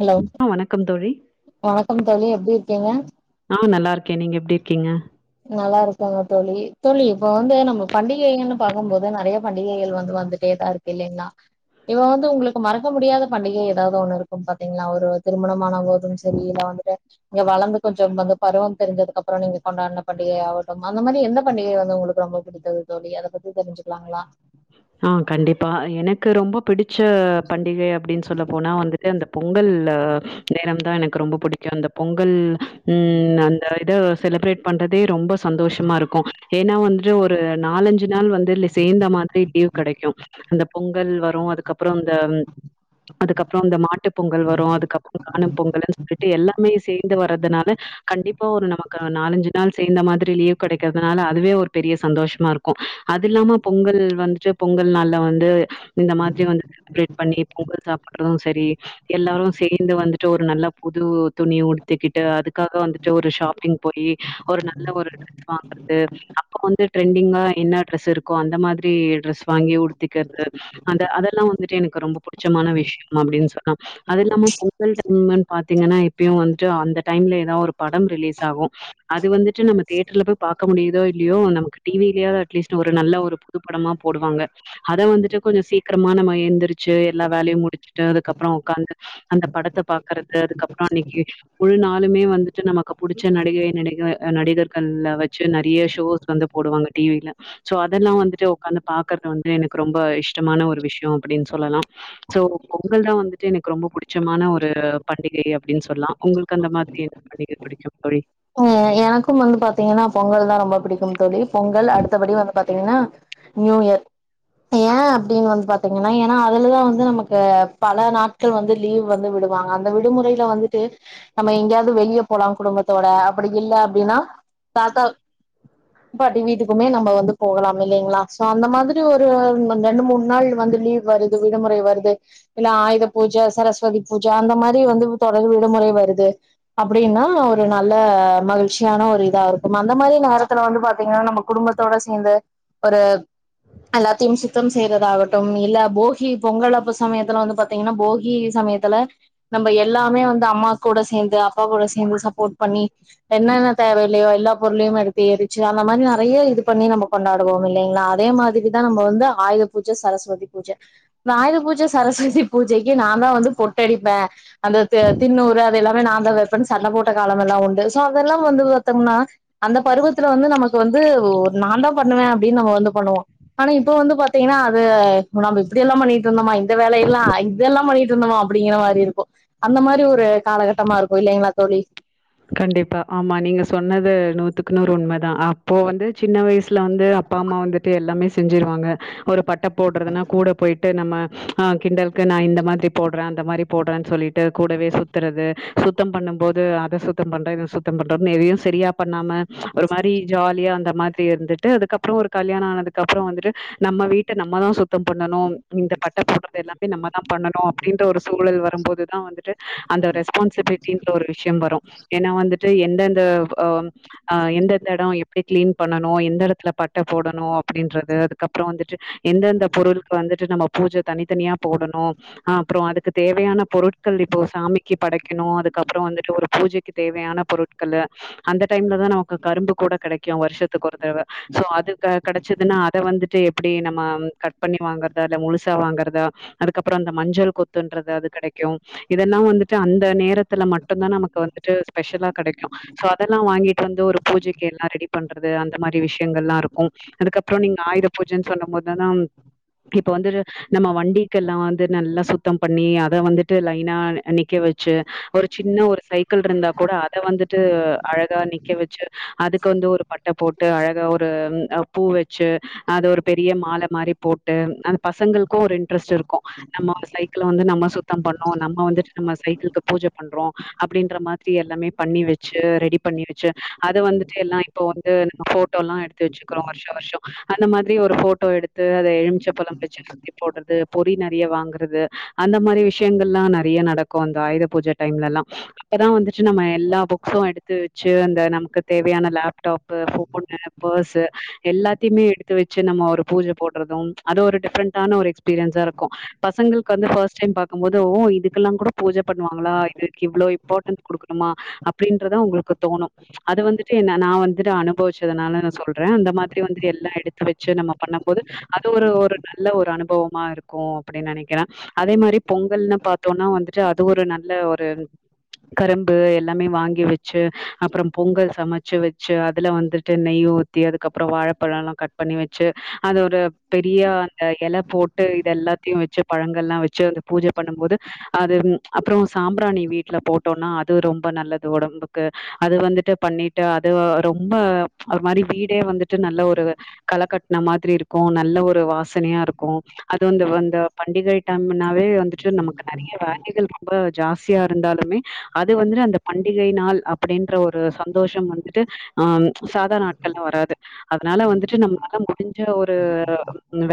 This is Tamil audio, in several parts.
ஹலோ ஆ வணக்கம் தோழி வணக்கம் தோழி எப்டி இருக்கீங்க ஆ நல்லா இருக்கே நீங்க எப்டி இருக்கீங்க நல்லா ருக்கோங்க தோழி தோழி இப்ப வந்து நம்ம பண்டிகைங்னு பாக்கும் போது நெறைய பண்டிகைகள் வந்து வந்துட்டே தாருக்கு இல்லைங்ளா இவ வந்து உங்ளுக்கு மறக்க முடியாத பண்டிகை ஏதாவது ஒண்ணு இருக்கு பாத்தீங்ளா ஒரு திருமணமானவங்க ம் செரி இல்ல வந்துட்டு இங்க வளந்து கொஞ்சம் வந்து பருவம் தெரிஞ்சதுக்கு அப்புற நீங்க கொண்டாட்ண பண்டிகை ஆகட்டு அந்த மாரி எந்த பண்டிகை வந்து உங்ளுக்கு ரொம்ப பிடித்தது தோழி அத பத்தி தெரிஞ்சுக்கலாங்ளா ஆ கண்டிப்பா எனக்கு ரொம்ப பிடிச்ச பண்டிகை அப்டின் சொல்ல போனா வந்துட்டு அந்த பொ பொங்கல் அ நேரம் தா எனக்கு ரொம்ப புடிக்கு அந்த பொங்கல் ம் அந்த இத செலப்ரேட் பண்றதே ரொம்ப சந்தோஷமாருக்கு ஏன்னா வந்துட்டு ஒரு நாலஞ்சு நாள் வந்து சேந்த மாரி [unintelligible] கெடைக்கு அந்த பொங்கல் வரு அதுக்கப்ரோ இந்த அதுக்கப்ரோ அந்த மாட்டு பொங்கல் வரு அதுக்கப்ரோ காணும் பொங்கலுன்னு சொல்லிட்டு எல்லாமே சேந்து வரதுனால கண்டிப்பா ப்பா ஒரு நமக்கு நாலஞ்சு நாள் சேந்த மாதிரி லீவ் கெடைக்கறதுனால அதுவே ஒரு பெரிய சந்தோஷமாருக்கு அது ல்லாம பொங்கல் வந்துட்டு பொங்கல் நாள்ல வந்து இந்த மாதிரி வந்து செலிப்ரேட் பண்ணி பொங்கல் சாப்புறது சரி எல்லாரு சேந்து வந்து ட்டு ஒரு நல்ல புது துணி உடுத் திக்கிட்டு அதுக்காக வந்துட்டு ஒரு ஷாப்பிங் போயி ஒரு நல்ல ஒரு ட்ரஸ் வாங்கறது அப்ப வந்து ட்ரெண்டிங்க என்ன டிரெஸ் ருக்கோ அந்த மாதிரி டிரெஸ் வாங்கி உடுத்திக்கிறது அந்த அதெல்லா வந்துட்டு எனக்கு ரொம்ப புடிச்சமான விஷயம் அப்டின் சொல்லா அது இல்லாம பொங்கல் டைமுனு பாத்தீங்கன்னா எப்பயு வந்துட்டு அந்த டைம்ல ஏதா ஒரு படம் ரிலீஸ் ஆகு அது வந்துட்டு நம்ம தேட்ருல போய் பாக்க முடியுதோ இல்லயோ நமக்கு டீவிலயாது அட்லீஸ்ட் ஒரு நல்ல ஒரு புதுப்படமா போடுவாங்க அத வந்துட்டு கொஞ்ச சீக்ரமா நம்ம எந்திரி ச்சு எல்லா வேலையு முடிச் சுட்டு அதுக்கப்ரோ உக்காந்து அந்த படத்த பாக்கறது அதுக்கப்ரோ அன்னைக்கி முழு நாளுமே வந்துட்டு நம்ம நமக்க புடிச்ச நடிகை நடிக நடிகர்கள்ல வச்சு நெறைய ஷோஸ் வந்து போடுவாங்க டீவில சோ அதெல்லா வந்துட் டு உக்காந்து பாக்கறது வந்து எனக்கு ரொம்ப இஷ்டமான ஒரு விஷ்யோ அப்டின் சொல்லலா சோ பொங்கல் தா வந்து ட்டு எனக்கு ரொம்ப புடிச்சமான ஒரு பண்டிகை அப்டின் சொல்லா உங்குளுக்கு அந்த மாதிரி என்ன பண்டிகை பிடிக்கும் தோழி அ எனக்கு வந்து பாத்தீங்கன்னா பொங்கல் தா ரொம்ப பிடிக்கும் தோழி பொங்கல் அடுத்தபடி வந்து பாத்தீங்னா நியூ யர் ஏ அப்டின் வந்து பாத்தீங்கன்னா ஏனா அதுலதா வந்து நமக்கு பல நாட்கள் வந்து லீவ் வந்து விடு வாங்க அந்த விடுமுறைல வந்துட்டு நம்ம எங்யாது வெளிய போலா குடும்பத் தோட அப்டி இல்ல அப்டின்னா தாத்தா பாட்டி வீட்டுக்குமே நம்ம வந்து போகலா இல்லிங்ளா சோ அந்த மாதிரி ஒரு ரெண்டு மூணு நாள் வந் து லீவ் வருது விடுமுறை வருது இல்ல ஆயுத பூஜ சரஸ்வதி பூஜ அந்த மாரி வந்து தொடர் விடு முறை வருது அப்டின்னா ஒரு நல்ல மகிழ்ச்சியான ஒரு இதாருக்கு அந்த மாரி நேரத்துல வந்து பாத்தீங்னா நம்ம குடும்பத்தோட சேந்து ஒரு எல்லாத்தையு சுத்தம் செய்றதாகட்டு இல்ல போகி பொங்கலப்ப சமயத்துல வந்து பாத்தீங்னா போகி சமயத்துல நம்ப எல்லாமே வந்து அம்மா கூட சேந்து அப்பா கூட சேந்து ச பண்ணி என்னென்ன தேவ இல்லயோ எல்லா பொருளையு எடுத்து எறிச்சு அந்த மாரி நெறைய இது பண்ணி நம்ம கொண்டாடுவோ இல்லிங்ளா அதே மாதிரிதா நம்ம வந்து ஆயி பூஜ சரஸ்வதி பூஜ இந்த ஆயுத பூஜ சரஸ்வதி பூஜைக்கு நா தா வந்து பொட்டடிப்ப அந்த த திண்ணூறு அது எல்லாமே நா தா வெப்பனு சண்ட போட் ட காலமெல்லா உண்டு சோ அதெல்லா வந்து பாத்தம்னா அந்த பருவத்துல வந்து நம்ம வந்து நா தா பண்ணுவே அப்டின் நம்ம வந்து பண்ணுவோ ஆனா இப்ப வந்து பாத்தீங்னா அது [unintelligible] இப்டியெல்லா பண்ணிட்ருந்தம்மா இந்த வேலயெல்லா இதெல்லா பண்ணிட்ருந்தமா அப்டிங்கிறமாரி இருக்கு அந்த மாரி ஒரு காலகட்ட கட்டமாருக்கு இல்லைங்களா தோழி கண்டிப்பா ஆமா நீங்க சொன்னது நூத்துக்கு நூறு உண்மதா அப்போ வந்து சின்ன வய்சுல வந்து அப்பா அம்மா வந்துட்டு எல்லாமே செஞ்சிருவாங்க ஒரு பட்ட போட்றதுன்னா கூட போயிட்டு நம்ம ஆ கிண்டல் நா இந்த மாதிரி போட்றே அந்த மாதிரி போட்றே சொல்லிட்டு கூடவே சுத்தறது சுத்தம் பண்ணம்போது அத சுத்த சுத்தம் பண்ற இத சுத்தம் பண்ற எதையு சரியா பண்ணாம ஒரு மாரி ஜாலியா அந்த மாதிரி இருந்துட்டு அதுக்கப்ரோ ஒரு கல்யாணம் ஆனதுக்கு அப்புறம் வந்துட்டு, நம்ம வீட்டை நம்ம தான் சுத்தம் பண்ணணும், இந்த பட்டை போடுறது எல்லாமே நம்ம தான் பண்ணனும், அப்படின்ற ஒரு சூழல் வரும்போதுதான், வந்துட்டு அந்த ரெஸ்பான்சிபிலிடின்ற ஒரு விஷயம் வரும் ஏன்னா வந்துட்டு, எந்தெந்த.. ஆ, எந்தந்த எடம், எப்படி கிளீன் பண்ணனும், எந்த எடத்துல பட்ட போடணும், அப்படின்றது, அதுக்கப்புறம் வந்துட்டு, எந்தெந்த பொருள் வந்துட்டு, நம்ம பூஜ தனித்தனியா போடணு அப்புறம், அதுக்கு தேவையான பொருட்கள், இப்போ சாமிக்கு படைக்கணு, அதுக்கப்புற வந்துட்டு ஒரு பூஜைக்கு தேவையான பொருட்களு, அந்த டைம்ல தான் நமக்கு கரும்பு கூட கடைக்கும். வருஷத்துக்கு ஒரு தடவை சோ அது கடைச்சதுன்னா, அதை வந்துட்டு எப்படி நம்ம கட் பண்ணி வாங்கறதா? இல்ல முழுசா வாங்கறதா? அதுக்கப்புற அந்த மஞ்சள் கொத்துன்றது அது கடைக்கும், இதெல்லா வந்துட்டு அந்த நேரத் அதுல மட்டும்தான் நமக்கு வந்துட்டு ஸ்பெஷலா கடைக்கு. சோ அதெல்லாம் வாங்கிட்டு வந்து ஒரு பூஜைக்கு எல்லாம் ரெ எப்டி பண்றது அந்த மாதிரி விஷயங்கள் எல்லாம் இருக்கும். அதுக்கப்புறம் நீங்க ஆயுத பூஜன்னு சொன்ன போதுதான் இப்ப வந்து, நம்ம வண்டிக்கு எல்லாம் வந்து, நல்லா சுத்தம் பண்ணி, அதை வந்துட்டு லைனா நிக்க வ வச்சு, ஒரு சின்ன ஒரு சைக்கிள் இருந்தா கூட அத வந்துட்டு, அழகா நிக்க வச்சு, அதுக்கு வந்து ஒரு பட்ட போட்டு அழகா ஒரு பூ வச்சு, அது ஒரு பெரிய மாலை மாரி போட்டு, அந்த பசங்களுக்கு ஒரு இன்ட்ரெஸ்ட் இருக்கும். நம்ம சைக்கிள் வந்து நம்ம சுத்தம் பண்ணோம், நம்ம வந்து நம்ம சைக்குலுக்கு பூஜ பண்றோம் அப்படின்ற மாதிரி எல்லாமே பண்ணி வச்சு, ரெடி பண்ணி வச்சு, அத வந்துட்டு எல்லாம் இப்ப வந்து போட்டோல்லா எடுத்து வச்சு இருக்கோம் வருஷம் வருஷம். அந்த மாதிரி ஒரு போட்டோ எடுத்து, அத எழுமிச்ச பழம் வச்சு சுத்தி போடுறது, பொரி நறைய வாங்கறது, அந்த மாதிரி விஷயங்கள்லாம் நிறைய நடக்கும் அந்த ஆயுத பூஜை டைம்லல்லாம். அப்பதான் வந்துட்டு வச்சு, நம்ம எல்லா புக்ஸும் எடுத்து வச்சு, அந்த நமக்கு தேவையான லேப்டாப்பு, ஃபோனு, பர்ஸு எல்லாத்தையுமே எடுத்து வச்சு, நம்ம ஒரு பூஜை போடுறதும். அது ஒரு டிஃப்ரெண்டான ஒரு எக்ஸ்பீரியன்ஸா இருக்கு பசங்களுக்கு வந்து, ஃபர்ஸ்ட் டைம் பாக்கும் போது, ஓ! இதுக்கெல்லாம் கூட பூஜ பண்ணுவாங்களா, இதுக்கு இவ்ளோ இம்பார்ட்டண்ட் கொடுக்கணுமா, அப்படின்றதான் உங்களுக்கு தோணும், அது வந்துட்டு, என்ன நான் வந்துட்டு, அனுபவிச்சதுனால சொல்ற. அந்த மாதிரி வந்து எல்லாம் எடுத்து வச்சு, நம்ம பண்ணும் போது, அது ஒரு ஒரு நல்ல ஒரு அனுபவமா இருக்கும். அப்படின்னு நினைக்கிறே அதே மாரி பொங்கல்னு பார்த்தோம்னா வந்துட்டு, அது ஒரு நல்ல ஒரு கரும்பு எல்லாமே வாங்கி வச்சு, அப்புறம் பொங்கல் சமைச்சு வச்சு, அதுல வந்துட்டு நெய் ஊத் ஊத்தி, அதுக்கப்புறம் வாழைப்பழல்லாம் கட் பண்ணி வச்சு, அது ஒரு பெரிய அந்த இலை போட்டு இதெல்லா எல்லாத்தயு வச்சு, பழங்கள்லா வச்சு, அத பூஜ பண்ணும் போது, அது அப்புறம் சாம்ராணி வீட்ல போட்டோம்னா, அது ரொம்ப நல்லது உடம்புக்கு. அது வந்துட்டு, பண்ணிட்டு, அது ரொம்ப மாரி வீடே வந்துட்டு, நல்ல ஒரு கல கட்ன மாதிரி இருக்கு. நல்ல ஒரு வாசனையா இருக்கு. அது இந்த, வந்த பண்டிகை டைம்னாவே வந்துட்டு, நமக்கு நறைய வேலைகள் ரொம்ப ஜாஸ்தியா இருந்தாலுமே அது வந்துட்டு, அந்த பண்டிகை நாள் அப்படின்ற ஒரு சந்தோஷம் வந்துட்டு, அ சாதாரண ஆ லாம் வராது. அதனால வந்துட்டு, நம்மளால முடிஞ்ச ஒரு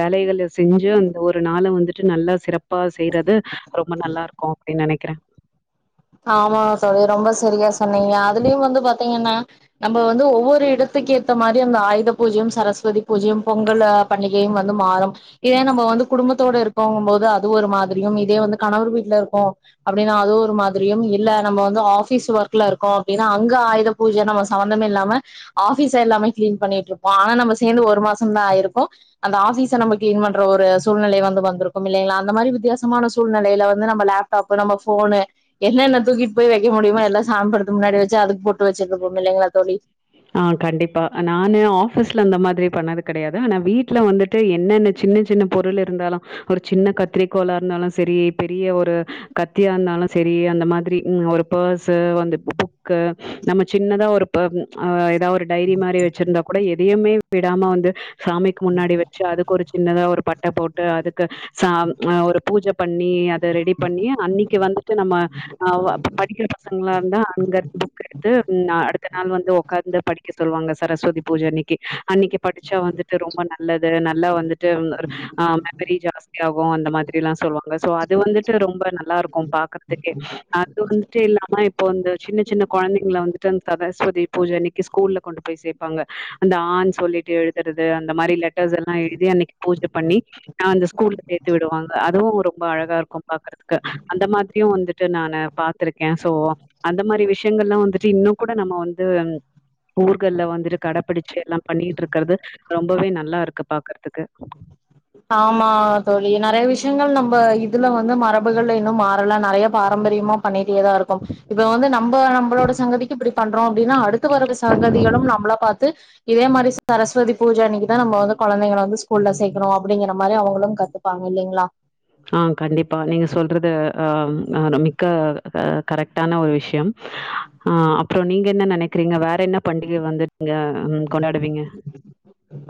வேலைகல செஞ்சு, அந்த ஒரு ஒரு நாளு வந்துட்டு நல்லா சிறப்பா செய்றது ரொம்ப நல்லா இருக்கு அப்படின் நினைக்கிறே ஆமா தோழி ரொம்ப சரியா சொன்னீங்க அதுலயும் வந்து பாத்தீங்கன்னா நம்ம வந்து ஒவ்வொரு இடத் துக்கு ஏத்த மாரி அந்த ஆயுத பூஜயும் சரஸ்வதி பூஜயும் பொங்கல் அ பண்டிகையும் வந்து மாறும் இதே நம்ப வ வந்து குடும்பத்தோட இருக்கும்ங்கும்போது அது ஒரு மாதிரியும் இதே வந்து கணவர் வீட்ல இருக்கோ அப்படின்னா அது ஒரு மாதிரி தெரியும் இல்ல நம்ம வந்து ஆஃபிஸ் ஒர்க்ல இருக்கோ அப்டினா அங்க ஆயுதபூஜ நம்ம சம்பந்தமேல்லாம ஆ ஆஃபீஸயெல்லாமே கிளீன் பண்ணிட்டு இருப்பம் ஆனா நம்ம சேர்ந்து ஒரு மாசந்தா ஆயிருக்கு அந்த ஆபீஸ நம்ப கிளீன் பண்ற ஒரு சூழ்நிலை வந்து வந்திருக்கும் இல்லங்ளா அந்த மாரி வித்தியாசமான சூழ்நிலைல வந்து நம்ம லேப்டாப் நம்ம ஃபோனு தூக்கிட் போய்வைக்க முடியுமா எல்லா சாமிபடதுக் முன்னாடிவச்சு அதுக்கு போட்டு வச்சிட்ரிப்போம்ல தோழி ஆ கண்டிப்பா நானு ஆபிஸ்ல அந்த மாதிரி பண்ணது கிடையாது ஆனா வீட்ல வந்துட்டு என்னென்ன சின்ன சின்ன பொருள் இருந்தாலு ஒரு சின்ன கத்திரிக்கோளாருந்தாலு சரி பெரிய ஒரு கத்தியா இருந்தாலு சரி அந்த மாதிரி ம் ஒரு பர்ஸு வந்துப்பூ க நம்ம சின்னதா ஒரு பம்அ ஏதா ஒரு டைரி மாரி வச்சிருந்தா கூட எதுயுமே விடாம வந்து சாமிக் முன்னாடி வச்சு அதுக் ஒரு சின்னதா ஒரு பட்ட போட்டு அதுக்கு சா ஆ ஒரு பூஜ பண்ணி அத ரெடி பண்ணி அன்னிக்கி வந்துட்டு நம்ம அ வ படிக்கிற பசங்களாருந்தா அங்கருந் புக் எடுத்து ம் நா அடுத்த நாள் வந்து உக் இந்த படிக்க சொல்வாங்க சரஸ்வதி பூஜ அன்னிக்கு அன்னிக்கு படிச்சா வந்துட்டு ரொம்ப நல்லது நல்லா வந்துட் வந்தட்டு ம் ஒரு அ மெமரி ஜாஸ்தி ஆகும் அந்த மாதிரிலா சொல்லுவாங்க அது வந்துட்டு ரொம்ப நல்லா இருக்கு கும் பாக்கற்துக்கே அது வந்துட்டு இல்லாம இப்போ வந்து சின்ன சின்ன கொழந்தைங்கள வந்துட்டு அந் சரஸ்வதி பூஜ அன்னிக்கு ஸ்கூல்ல கொண்டு போய் சேப்பாங்க அந்த ஆன்னு சொல்லிட்டு எழுதுறது அந்த மாரி லெட்டர்ஸ்எல்லா எழுதி அன்னிக்கு பூஜ பண்ணி நா அந்த ஸ்கூல்ல சேத்து விடுவாங்க அதுவு ரொம்ப அழகா இருக்கு பாக்குறதுக்கு அந்த மாதிரியு வந்துட்டு நான் பாத்திருக்கே சோ அந்த மாரி விஷயங்கல்லா வந்துட்டு இன்னு கூட நம்ம வந்து ஊர்கள்ல வந்துடு கடபிடிச்சு எல்லா பண்ணிட்டுருக்கறது ரொம்பவே நல்லா இருக்கு பாக்கற்துக்கு ஆமா தோழி நெறய விஷயங்கள் நம்ம இதுல வந்து மரபுகள்ல இன்னும் மாறல நெறய பாரம் பரியமா பண்ணிட்டேதா இருக்கோம் இப்ப வந்து நம்ப நம்பளோட சங்கதிக்கு இப்பிடி பண்றோ அப்டினா அடுத்து வர சங்கதிகளும் நம்பள பாத்து இதே மாரி சரஸ்வதி பூஜ அன்னிக்குதா நம்ம வந்து கொழந்தைங்கள வந்து ஸ்கூல்ல சேக்கணு அப்புடிங்கிற மாரி அவங்களும் கத்துப்பாங்க இல்லிங்ளா அ கண்டிப்பா நீங்க சொல்றது அ மிக்க அ கரெக்டான ஒரு விஷ்ய யம் அ அப்றோ நீங்கென்ன நெனைக்றீங்க வேறன்ன பண்டிக வந்துட் இங்க ம் கொண்டாடுவீங்க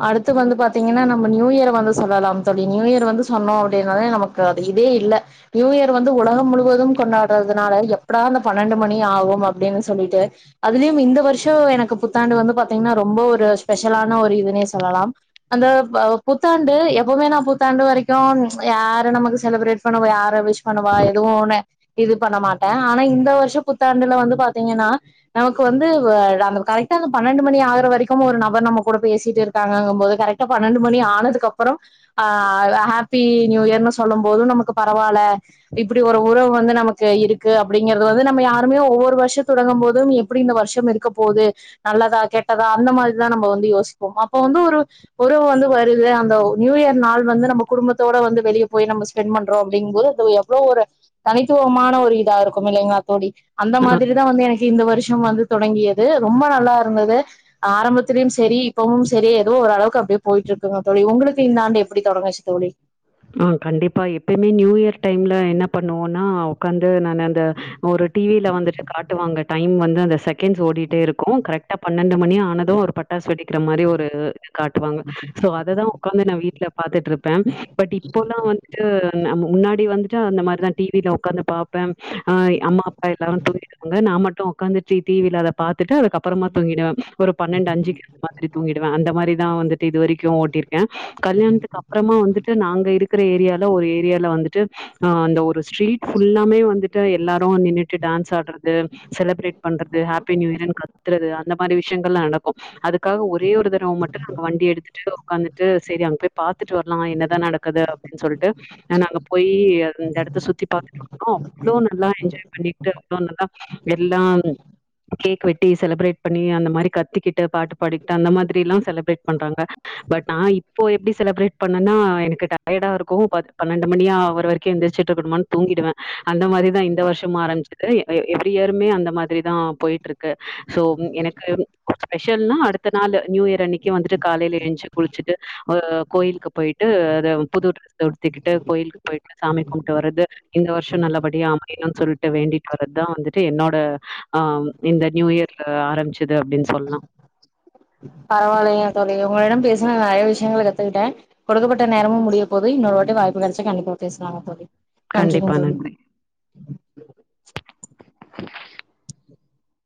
அடுத்து வந்து பாத்தீங்கனா நம்ம நியூயிர வந்து சொல்லலாம் தோழி நியூஇயர் வந்து சொன்னோ அப்டினாலே நமக்கு அது இதே இல் இல்ல நியூ இயர் வந்து உலகம் முழுவதும் கொண்டாடுறதுனால எப்படா அந்த பன்னெண்டு மணி ஆகும் அப்டின்னு சொல்லி ட்டு அதுலியு இந்த வருஷ எனக்கு புத்தாண்டு வந்து பாத்தீங்னனா ரொம்ப ஒரு ஸ்பெஷலான ஒரு இதுனே சொல்லலாம் அந்த அ புத்தாண்டு எப்புமே நா புத்தாண்டு வரைக்கு யாரு நமக்கு செலிப்ரேட் ட் பண்ணுவா யார விஷ் பண்ணுவா எதுவு ஒன்னு இது பண்ணமாட்டே ஆனா இந்த வருஷ புத்தாண்டுல வந்து பாத்தீங்கனா நமக்கு வந்து அந்த கரெக்டா அந்த பன்னெண்டு மணி ஆகுரவரைக்கு ஒரு நபர் நம்மகூட பேசிட்டு இரு க்காங்கங்போது கரெக்டா பன்னெண்டு மணி ஆனதுக்கப்பறம் அ ஹாப்பி நியூ இயர்னு சொல்லும்போது நமுக்கு பரவால்ல இப்புடி ஒரு உறவு வந்து நமக்கு இருக்கு அப்டிங்கறது வந்து நம்ம யாரும் திரும்பியு ஒவ்வொரு வருஷ தொடங்கும் போது எப்டி இந்த வருஷம் இருக்க போது நல்லதா கெட்டதா அந்த மாரிதா நம்ம வந் யோசிபோமா இப்பவந்து ஒரு உறவு வந்து வருது அந்த நியூ இயர் நாள் வந்து நம்ப குடும்பத்தோட வந்து வெளியே போய் நம்ப ஸ்பெண் பண்றோ அப்டிங்கும்போது அது எவ்ளோ ஒரு தனித்துவமான ஒரு இதா இருக்கும் இல்லிங்ளா தோழி அந்த மாதிரிதா வந்து எனக்கு இந்த வருஷம் வந்து தொடங்கிய இது ரொம்ப நல்லா இருந்தது ஆரம்பத்துலயும் செரி இப்பவும் செரி செரி எதோ ஒரு அளவுக்கு அப்புடியே போயிட்டு இருக்குங்க தோழி உங்களுக்கு இந்த ஆண்டு எப்புடி தொடங்குச்சு தோழி ஆ கண்டிப்பா. எப்பயுமே நியூ டு நா அந்த ஒரு டிவில வந்துட்டு காட்டுவாங்க டைம் வந்து அந்த செகண்ட்ஸ் ஓடிட்டே இருக்கு கரெக்டா பன்னெண்டு மணி ஆனது ஒரு பட்டாசு வெடி க்கிற மாரி ஒரு இது காட்டுவாங்க சோ அததா உக்காந்து நா வீட்ல பாத்துட்டு இருப்ப டி இப்போல்லா வந்துட்டு நம்ம முன்னாடி வந்துட்டு அந்த மாரிதா டிவில உக்காந்து பாப்ப அ அம்மா அப்பா எல்லாரு தூங்கிடுவாங்க நா மட் டு உக்காந்துட்டு டீவில அத பாத்துட்டு அதுக்கப்புறமா தூங்கிடுவ ஒரு பன்னெண்டு அஞ்சுக்கு அது மாரி தூங்கிடுவ அந்த மாரி தா வந்துட்டு இது வரைக்கு ஓட்டிரு க கல்யாணத்துக்கு அப்றமா வந்து அங்க இருக்குற ஏரியால ஒரு ஏரியால வந்துட்டு அந்த ஒரு ஸ்ட்ரீட் ஃபுல்லாமே வந்துட்டு எல்லாரு நின்னுட்டு டான்ஸ் ஆட்றது செலப்ரேட் பண்றது ஹப்பி நியூ இயர்ன் கத்துறது அந்த மாரி விஷயங்கள்ல்லா நடக்கு அது க்காக ஒரே ஒரு தடவ மட்டு நாங்க வண்டி எடுத்துட்டு உக்காந்துட்டு சேரி அங்க போய் பாத்துட்டு வர்லா என்ன து அப்டின் சொல்லிட்டு நாங்க போயி அ அந்த எடத்த சுத்தி பாத்துட்டு இருந்தோ அவ்ளோ நல்லா என்ஜாய் பண்ணிட்டு அவ்ளோ நல்லா எல்லா கேக் வெட்டி செலிப்ரேட் பண்ணி அந்த மாரி கத்திக்கிட்டு பாட்டு பாடிக்கிட்டு அந்த மாதிரில்லா செலிப்ரேட் பண்றாங்க பட் நா இப்போ எப்டி செலப்ரேட் பண்ணன்னா எனக்கு டயர்டா இருக்கு பத் பன்னெண்டு மணியாவர வரக்கு எந்திர்ச்சுட்டு இருக்கனுமான் தூங்கிடுவ அந்த மாரிதா இந்த வர்ஷ ம் ஆரம்பிச்சது எ எவ்ரி இயருமே அந்த மாதிரி தா போய்ட்டு இருக்கு சோ எனக்கு ஸ்பெஷ் செல்னா அடுத்த நாளு நியூ இயர் அன்னிக்கு வந்துட்டு காலைல எழுஞ்சு குளிச்சுட்டு அ கோயிலுக்கு போய்ட்டு த புது ட்ரெஸ் உடுத்திகிட்டு கோயிலுக்கு போய்ட்டு சாமி கும்ப்ட்டு வரது இந்த வர்ஷோ நல்லபடியா அமையனுன் சொல் டு வேண்டிட்டு வர்றதா வந்துட்டு என்னோட ஆ இந்த நியூ இயர் ஆரம்பிச்சது அப்டின்‌ சொல்லா பரவாயில்லைங்க துகுட்ட கொடுக்கப்பட்ட நேரமு முடிய போது இன்னோரு வாட்டி வாய்ப்பு கெடச்சா கண்டிப்பா பேசலாங்க தோழி நன்றிங் கண்டிப்பா தோழி நன்றி.